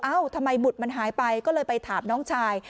เอ้าทำไมหมุดมันหายไปก็เลยไปถามน้องชาย